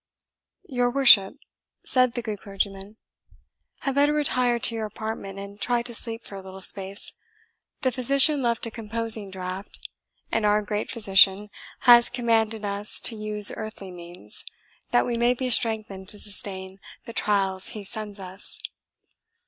"Your worship," said the good clergyman, "had better retire to your apartment, and try to sleep for a little space. The physician left a composing draught; and our Great Physician has commanded us to use earthly means, that we may be strengthened to sustain the trials He sends us."